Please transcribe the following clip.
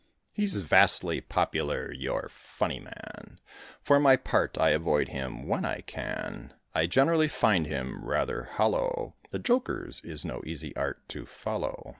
He's vastly popular, your "Funny Man;" For my part I avoid him when I can. I generally find him rather hollow; The joker's is no easy art to follow.